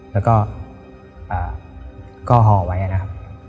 แล้วก็ห่อไว้นะครับ